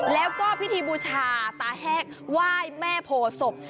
แล้วก็พิธีบูชาตาแห้งไหว้แม่โพศพ